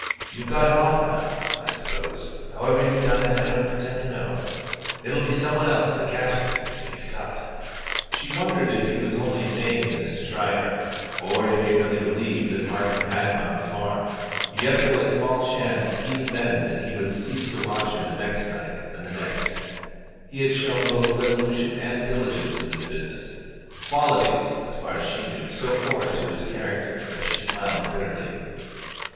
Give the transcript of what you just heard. You've got him off now, I suppose; however you've done it I don't pretend to know. It'll be some one else that catches him if he's caught." She wondered if he was only saying this to try her, or if he really believed that Markham had gone far; yet there was small chance even then that he would cease to watch her the next night and the next. He had shown both resolution and diligence in this business qualities, as far as she knew, so foreign to his character that she smiled bitterly.